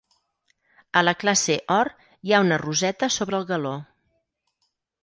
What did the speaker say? A la classe Or hi ha una roseta sobre el galó.